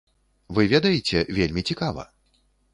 Вы ведаеце, вельмі цікава.